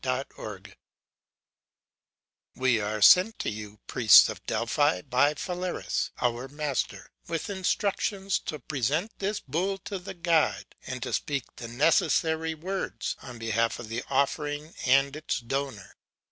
PHALARIS, I We are sent to you, Priests of Delphi, by Phalaris our master, with instructions to present this bull to the God, and to speak the necessary words on behalf of the offering and its donor.